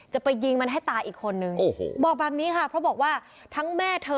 จะไปยิงมันให้ตายอีกคนนึงโอ้โหบอกแบบนี้ค่ะเพราะบอกว่าทั้งแม่เธอ